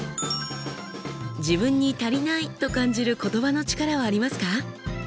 自分に足りないと感じる言葉の力はありますか？